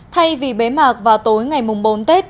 thay vì bế mạc vào tối ngày mùng bốn tết